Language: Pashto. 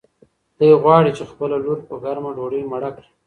دی غواړي چې خپله لور په ګرمه ډوډۍ مړه کړي.